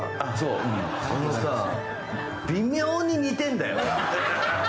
微妙に似てるんだよ。